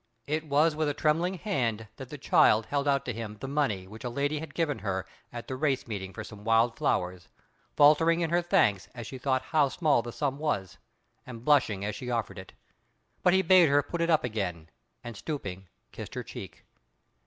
It was with a trembling hand that the child held out to him the money which a lady had given her at the race meeting for some wild flowers, faltering in her thanks as she thought how small the sum was, and blushing as she offered it. But he bade her put it up again, and, stooping, kissed her cheek.